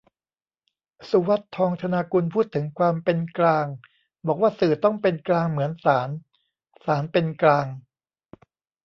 สุวัฒน์ ทองธนากุล พูดถึง ความเป็นกลาง บอกว่าสื่อต้องเป็นกลางเหมือนศาล ศาลเป็นกลาง